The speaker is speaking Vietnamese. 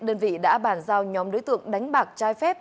đơn vị đã bàn giao nhóm đối tượng đánh bạc trái phép